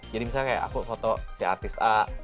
jadi misalnya kayak aku foto si artis a